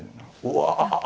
うわ。